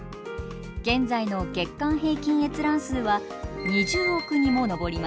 現在の月間平均閲覧数は２０億にも上ります。